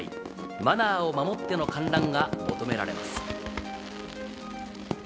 マナーを守っての観覧が求められます。